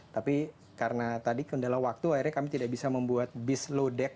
tapi karena tadi kendala waktu akhirnya kami tidak bisa membuat bis low deck